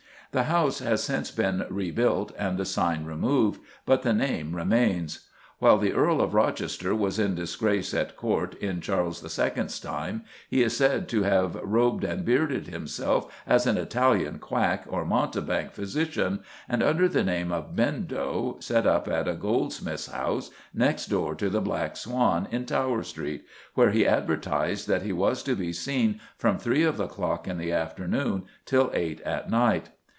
The house has since been rebuilt and the sign removed, but the name remains. While the Earl of Rochester was in disgrace at Court in Charles II.'s time he is said to have "robed and bearded himself as an Italian quack or mountebank physician, and, under the name of Bendo, set up at a goldsmith's house, next door to the Black Swan in Tower Street," where he advertised that he "was to be seen from three of the clock in the afternoon till eight at night."